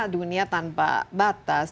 dunia tanpa batas